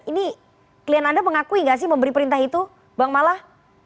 ini klien anda mengakui gak sih memberi perintah itu bang malah